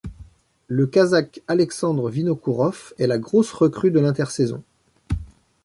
Le Kazakh Alexandre Vinokourov est la grosse recrue de l'intersaison.